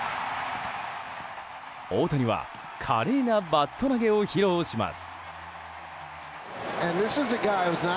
大谷は華麗なバット投げを披露します。